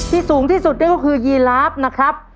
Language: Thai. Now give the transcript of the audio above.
ที่สูงที่สุดก็คือยีราฟนะครับ